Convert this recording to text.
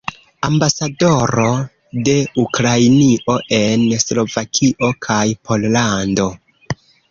Ambasadoro de Ukrainio en Slovakio kaj Pollando.